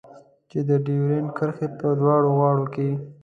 چې د ډيورنډ کرښې په دواړو غاړو کې.